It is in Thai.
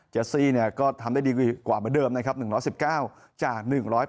เจสซีก็ทำได้ดีกว่าเมื่อเดิม๑๑๙จาก๑๘๑